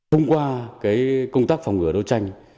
hôm qua công tác phòng ngừa đấu tranh